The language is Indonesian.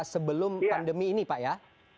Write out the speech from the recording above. sebelum pandemi ini pak ya